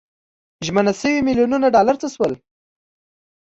ژمنه شوي میلیونونه ډالر څه شول.